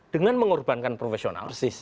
dengan mengorbankan profesional